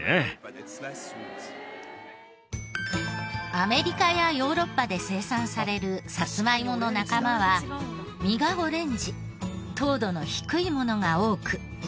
アメリカやヨーロッパで生産されるサツマイモの仲間は実がオレンジ糖度の低いものが多く。